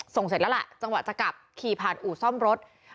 เสร็จแล้วล่ะจังหวะจะกลับขี่ผ่านอู่ซ่อมรถ